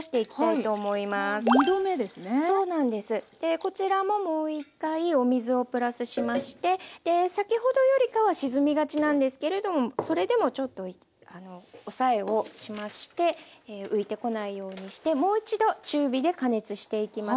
こちらももう一回お水をプラスしまして先ほどよりかは沈みがちなんですけれどもそれでもちょっと押さえをしまして浮いてこないようにしてもう一度中火で加熱していきます。